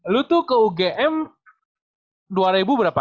lu tuh ke ugm dua ribu berapa dua ribu tiga belas ya empat belas